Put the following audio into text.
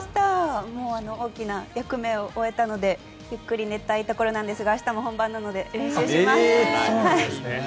大きな役目を終えたのでゆっくり寝たいところなんですが明日も本番なので練習します。